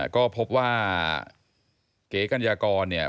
ก็พบว่าเก๋กัญญากร